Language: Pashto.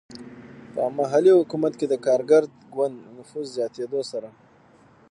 په محلي حکومت کې د کارګر ګوند نفوذ زیاتېدو سره.